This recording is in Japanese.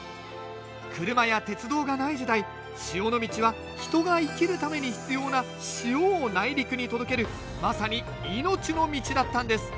車や鉄道がない時代塩の道は人が生きるために必要な塩を内陸に届けるまさに命の道だったんです。